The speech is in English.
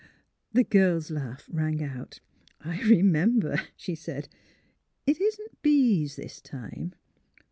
The girl's laugh rang out. " I remember," she said. '* It isn't bees this time.